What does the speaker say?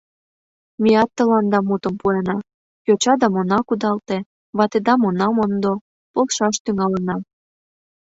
Меат тыланда мутым пуэна: йочадам она кудалте, ватыдам она мондо — полшаш тӱҥалына.